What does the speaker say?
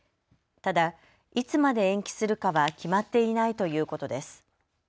ただ、いつまで延期するかは決まっていないということです。